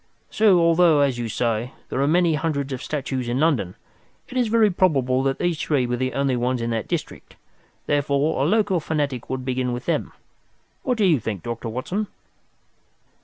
So, although, as you say, there are many hundreds of statues in London, it is very probable that these three were the only ones in that district. Therefore, a local fanatic would begin with them. What do you think, Dr. Watson?"